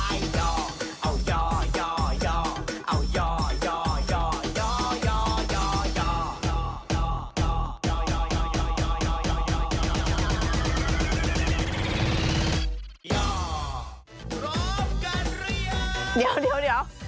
ย่อรอบกันหรือยังเดี๋ยวเดี๋ยวเดี๋ยว